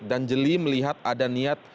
dan jeli melihat ada niat